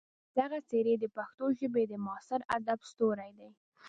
دغه څېرې د پښتو ژبې د معاصر ادب ستوري دي.